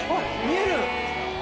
見える！